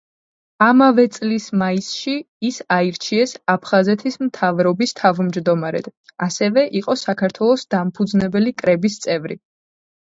ამავე წლის მაისში ის აირჩიეს აფხაზეთის მთავრობის თავმჯდომარედ, ასევე იყო საქართველოს დამფუძნებელი კრების წევრი.